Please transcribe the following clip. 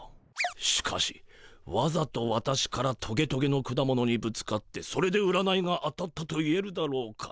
しかしわざと私からトゲトゲの果物にぶつかってそれで占いが当たったといえるだろうか。